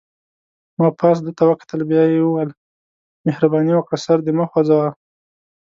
ما پاس ده ته وکتل، بیا یې وویل: مهرباني وکړه سر دې مه خوځوه.